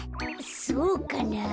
そうかなあ。